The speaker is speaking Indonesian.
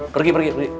pergi pergi pergi